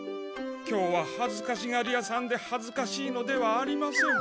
今日ははずかしがり屋さんではずかしいのではありません。